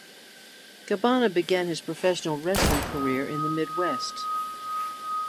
Cabana began his professional wrestling career in the Midwest.